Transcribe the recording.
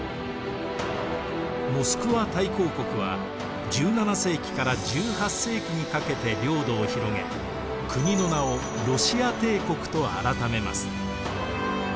モスクワ大公国は１７世紀から１８世紀にかけて領土を広げ国の名をロシア帝国と改めます。